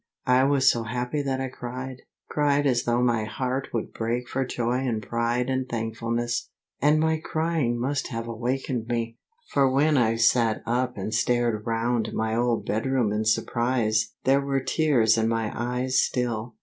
I was so happy that I cried, cried as though my heart would break for joy and pride and thankfulness. And my crying must have awakened me, for when I sat up and stared round my old bedroom in surprise there were tears in my eyes still.